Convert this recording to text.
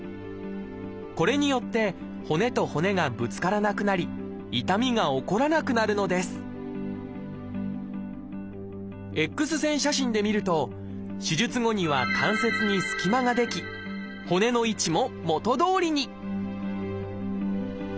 これによって骨と骨がぶつからなくなり痛みが起こらなくなるのですＸ線写真で見ると手術後には関節に隙間が出来骨の位置も元どおりに！